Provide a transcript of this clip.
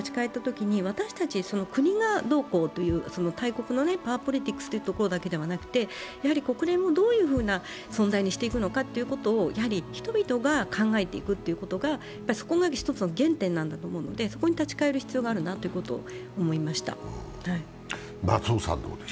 そこの原点に立ち返ったときに私たち国がどうこう、大国のパワーポリティクスというところだけではなくて、国連をどういうふうな存在にしていくのかを人々が考えていくことがそこが一つの原点なんだと思って、そこに立ち返る必要があるなと思いました。